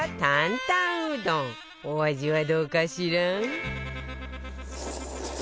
お味はどうかしら？